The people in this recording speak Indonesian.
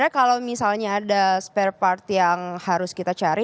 kalau misalnya ada spare part yang harus kita cari